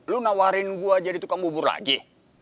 lu nawarin gue jadi tukang bubur lagi